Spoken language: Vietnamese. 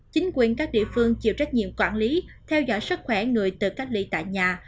chính quyền các địa phương chịu trách nhiệm quản lý theo dõi sức khỏe người tự cách ly tại nhà